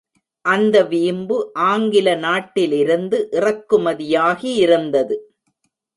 அந்த வீம்பு ஆங்கில நாட்டிலிருந்து இறக்குமதியாகியிருந்தது.